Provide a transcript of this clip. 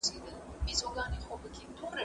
زه مخکې کار کړی و!؟